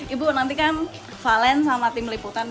ibu nanti kan valen sama tim liputan